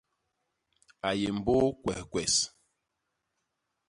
A yé mbôô kwehkwes.